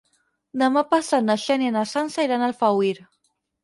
Demà passat na Xènia i na Sança iran a Alfauir.